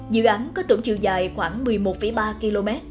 dự án có tổng chiều dài khoảng một mươi một ba km